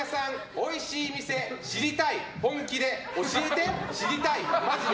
おいしい店、知りたい、本気で教えて、知りたい、マジで。